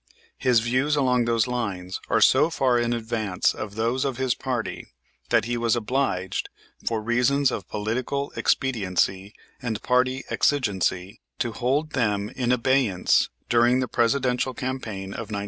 His views along those lines are so far in advance of those of his party that he was obliged, for reasons of political expediency and party exigency, to hold them in abeyance during the Presidential campaign of 1908.